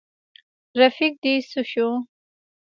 رفیق دي څه شو.